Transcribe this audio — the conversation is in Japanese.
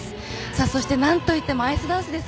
そして何といってもアイスダンス。